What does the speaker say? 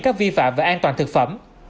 các vi phạm về an toàn thực phẩm